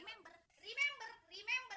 remember remember remember